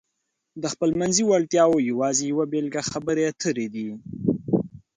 د خپلمنځي وړتیاو یوازې یوه بېلګه خبرې اترې دي.